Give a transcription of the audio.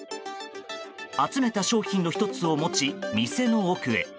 集めた商品の１つを持ち店の奥へ。